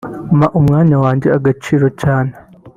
Mpa umwanya wanjye agaciro cyane